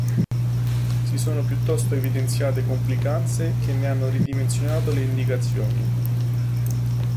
Si sono piuttosto evidenziate complicanze, che ne hanno ridimensionato le indicazioni.